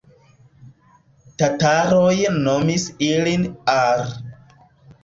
Tataroj nomis ilin Ar.